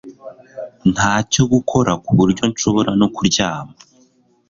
Ntacyo gukora kuburyo nshobora no kuryama